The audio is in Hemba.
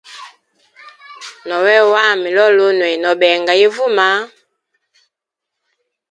Nowena wami lulunwe, no benga ivuma.